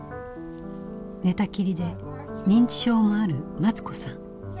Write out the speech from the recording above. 寝たきりで認知症もあるマツ子さん。